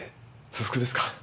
不服ですか？